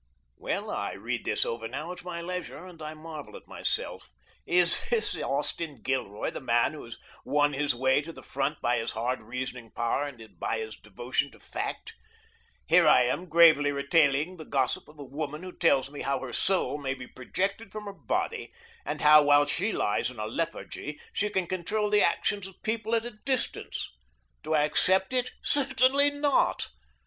Well, I read this over now at my leisure, and I marvel at myself! Is this Austin Gilroy, the man who has won his way to the front by his hard reasoning power and by his devotion to fact? Here I am gravely retailing the gossip of a woman who tells me how her soul may be projected from her body, and how, while she lies in a lethargy, she can control the actions of people at a distance. Do I accept it? Certainly not.